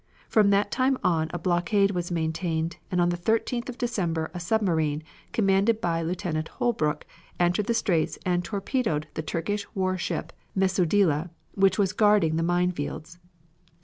From that time on a blockade was maintained, and on the 13th of December a submarine, commanded by Lieutenant Holbrook, entered the straits and torpedoed the Turkish warship Messoudieh, which was guarding the mine fields.